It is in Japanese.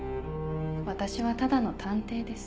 私はただの探偵です。